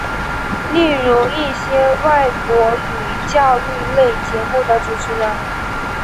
例如一些外国语教育类节目的主持人。